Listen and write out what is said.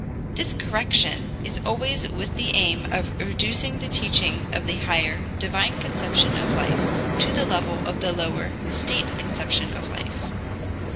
This correction is always with the aim of reducing the teaching of the higher, divine conception of life to the level of the lower, state conception of life.